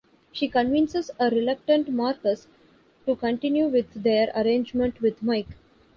She convinces a reluctant Marcus to continue with their arrangement with Mike.